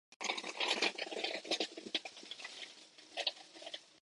テキサス州の州都はオースティンである